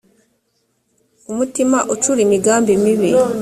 umutima ucura imigambi mibi